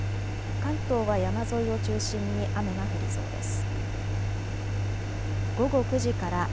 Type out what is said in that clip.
関東は山沿いを中心に雨が降りそうです。